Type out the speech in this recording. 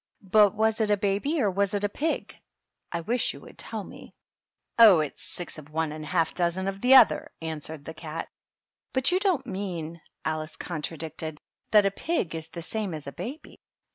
But was it a baby or was it a pig? I wish you would tell me." THE DUCHESS AND HER HOUSE. 41 "Oh, it's six of one and half a dozen of the other," answered the cat. "But you don't mean," Alice contradicted, "that a pig is the same thing as a baby?"